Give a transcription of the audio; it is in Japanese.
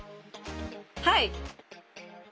はい。